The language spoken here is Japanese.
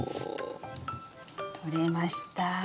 とれました。